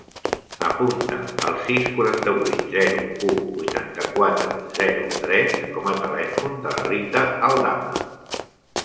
Apunta el sis, quaranta-vuit, zero, u, vuitanta-quatre, zero, tres com a telèfon de la Rita Aldama.